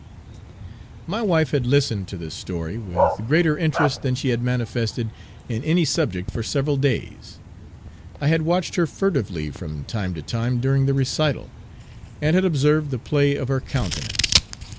My wife had listened to this story with greater interest than she had manifested in any subject for several days. I had watched her furtively from time to time during the recital, and had observed the play of her countenance.